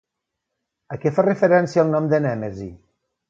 A què fa referència el nom de Nèmesi?